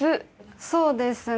そうですね。